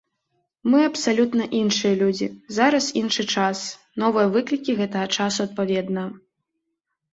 Мы абсалютна іншыя людзі, зараз іншы час, новыя выклікі гэтага часу адпаведна.